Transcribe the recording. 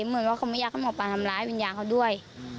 เหมือนว่าเขาไม่อยากให้หมอปลาทำร้ายวิญญาณเขาด้วย